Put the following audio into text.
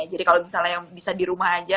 jadi kalau misalnya yang bisa di rumah saja